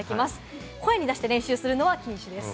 声に出して練習するのは禁止です。